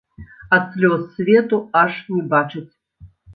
Ад слёз свету аж не бачаць.